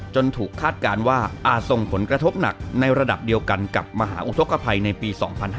ถูกคาดการณ์ว่าอาจส่งผลกระทบหนักในระดับเดียวกันกับมหาอุทธกภัยในปี๒๕๕๙